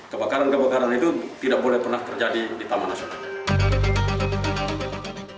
kebakaran kebakaran itu tidak boleh pernah terjadi di taman nasional